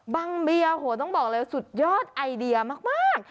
บางเบียโอ้โหต้องบอกเลยสุดยอดไอเดียมาก